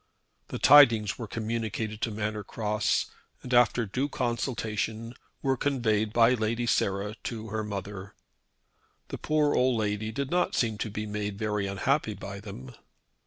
The tidings were communicated to Manor Cross, and after due consultation, were conveyed by Lady Sarah to her mother. The poor old lady did not seem to be made very unhappy by them.